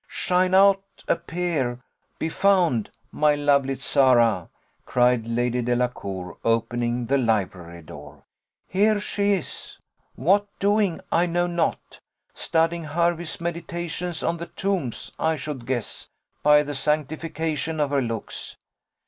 Shine out, appear, be found, my lovely Zara!" cried Lady Delacour, opening the library door. "Here she is what doing I know not studying Hervey's Meditations on the Tombs, I should guess, by the sanctification of her looks.